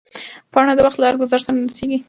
پاڼه د وخت له هر ګوزار سره نڅېږي.